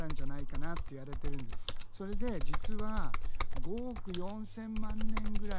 それで実は５億４，０００万年ぐらい前に。